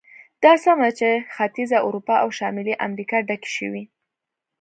دا سمه ده چې ختیځه اروپا او شمالي امریکا ډکې شوې.